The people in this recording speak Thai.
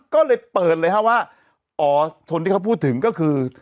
ก็เลยเปิดเลยฮะว่าอ๋อชนที่เขาพูดถึงก็คือ